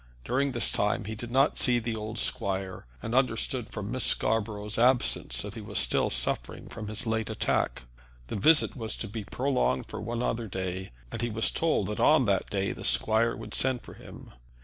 During this time he did not see the old squire, and understood from Miss Scarborough's absence that he was still suffering from his late attack. The visit was to be prolonged for one other day, and he was told that on that day the squire would send for him.